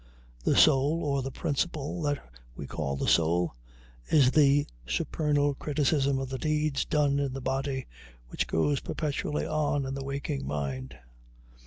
The soul, or the principle that we call the soul, is the supernal criticism of the deeds done in the body, which goes perpetually on in the waking mind.